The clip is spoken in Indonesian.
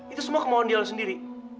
itu semua kemohonan kamu sendiri